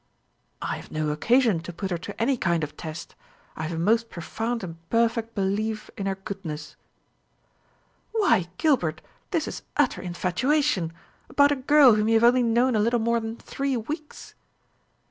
"I have no occasion to put her to any kind of test. I have a most profound and perfect belief in her goodness." "Why, Gilbert, this is utter infatuation about a girl whom you have only known a little more than three weeks!"